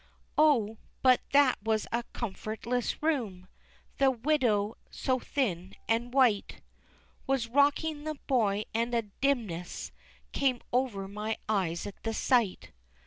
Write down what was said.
Oh, but that was a comfortless room! The widow so thin and white Was rocking the boy, and a dimness Came over my eyes at the sight.